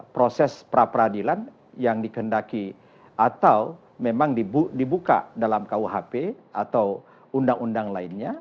proses pra peradilan yang dikendaki atau memang dibuka dalam kuhp atau undang undang lainnya